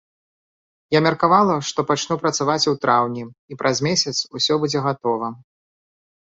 Я меркавала, што пачну працаваць у траўні і праз месяц усё будзе гатова.